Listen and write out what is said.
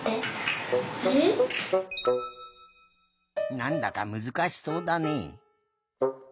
なんだかむずかしそうだね。